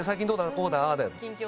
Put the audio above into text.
こうだああだ。